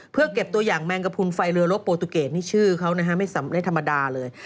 เพื่อเก็บตัวอย่างแมงกระพุนไฟเรือลบโปรตูเกดนี่ชื่อเขานะฮะไม่ธรรมดาเลย